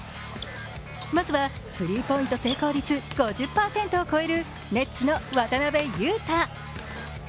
まずはスリーポイント成功率５０％を超えるネッツの渡邊雄太。